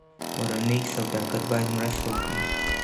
کورني سوداګر باید مرسته وکړي.